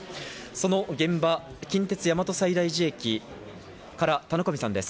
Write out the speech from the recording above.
その現場、近鉄・大和西大寺駅から田上さんです。